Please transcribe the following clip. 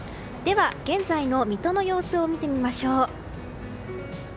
では、現在の水戸の様子を見てみましょう。